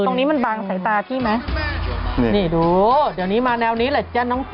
ตรงนี้มันบางสายตาพี่มั้ย